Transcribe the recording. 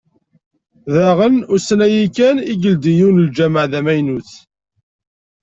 Daɣen, ussan-a kan i yeldi yiwen n lǧamaɛ d amaynut.